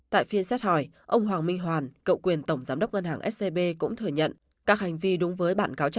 tại phiên xét hỏi ông hoàng minh hoàn cậu quyền tổng giám đốc ngân hàng scb cũng thừa nhận